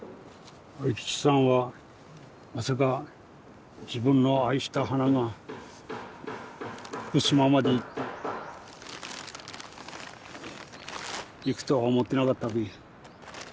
愛吉さんはまさか自分の愛した花が福島まで行って行くとは思ってなかったべ。